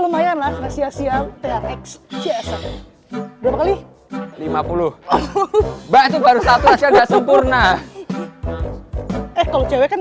lumayanlah sia sia trx lima puluh itu baru satu aja nggak sempurna kalau cewek